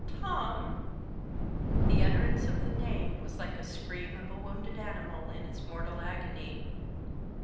Tom!" The utterance of the name was like a scream of a wounded animal in its mortal agony.